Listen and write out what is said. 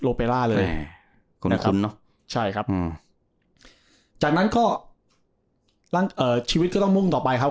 เลยคุณมาเลยใช่ครับจากนั้นก็ชีวิตก็ต้องมุ่งต่อไปครับ